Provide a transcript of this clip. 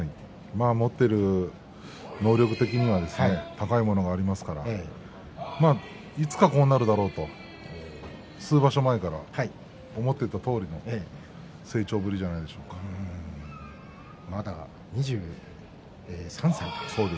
持っている能力的には高いものがありますからいつか、こうなるだろうと数場所前から思っていたとおりにまだ２３歳です。